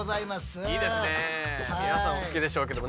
皆さんお好きでしょうけども。